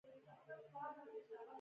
چای د زړونو نرموالی راولي